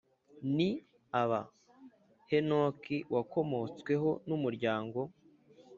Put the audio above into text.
Ni aba henoki wakomotsweho n umuryango